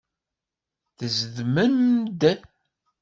Tezdmem-d.